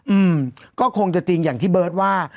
อืมก็คงจะจริงอย่างที่เบิร์ตว่า